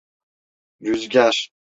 Rüzgar…